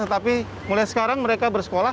tetapi mulai sekarang mereka bersekolah